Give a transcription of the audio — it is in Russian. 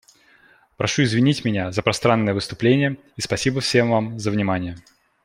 Прошу извинить меня за пространное выступление и спасибо всем вам за внимание.